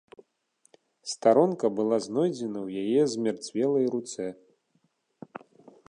Старонка была знойдзена ў яе ў змярцвелай руцэ.